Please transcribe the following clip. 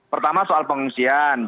pertama soal pengungsian